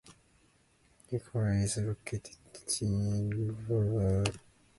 Nucla is located in an area of desert land, surrounding the Uncompahgre National Forest.